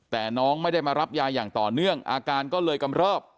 แต่น้องไม่ได้มารับยาอย่างต่อเนื่องอาการก็เลยกำเริบ